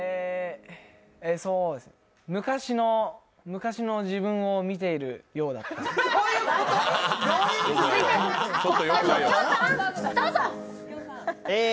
昔の自分を見ているようだから。